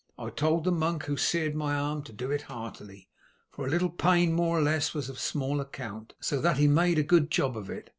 I told the monk who seared my arm to do it heartily, for a little pain more or less was of small account, so that he made a good job of it.